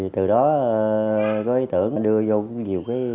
từ đó có ý tưởng đưa vô nhiều khuôn